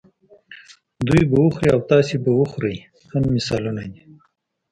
دوی به وخوري او تاسې به وخورئ هم مثالونه دي.